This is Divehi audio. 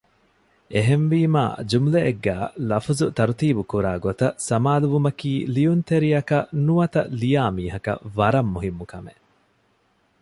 އެހެންވީމާ ޖުމުލައެއްގައި ލަފުޒު ތަރުތީބު ކުރާ ގޮތަށް ސަމާލުވުމަކީ ލިޔުންތެރިއަކަށް ނުވަތަ ލިޔާ މީހަކަށް ވަރަށް މުހިއްމު ކަމެއް